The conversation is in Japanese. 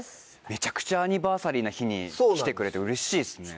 めちゃくちゃアニバーサリーな日に来てくれてうれしいっすね。